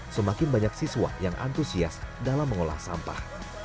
semakin banyak siswa yang antusias dalam mengolah sampah